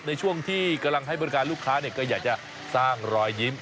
ในช่วงที่กำลังให้บริการลูกค้าก็อยากจะสร้างรอยยิ้ม